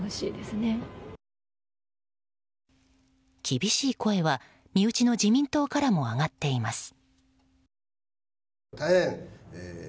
厳しい声は身内の自民党からも上がっています。